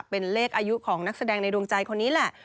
เป็นเลขอายุของนักแสดงในดวงใจคนนี้แหละ